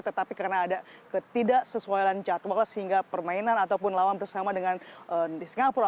tetapi karena ada ketidaksesuaian jadwal sehingga permainan ataupun lawan bersama dengan di singapura